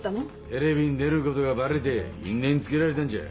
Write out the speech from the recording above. テレビに出ることがバレて因縁つけられたんちゃ。